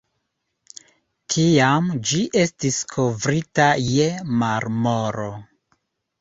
Tiam ĝi estis kovrita je marmoro.